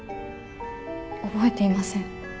覚えていません。